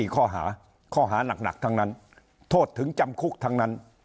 ข้อหาข้อหานักทั้งนั้นโทษถึงจำคุกทั้งนั้น